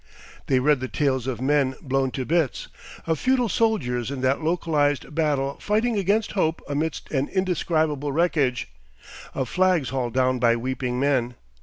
They read the tale of men blown to bits, of futile soldiers in that localised battle fighting against hope amidst an indescribable wreckage, of flags hauled down by weeping men.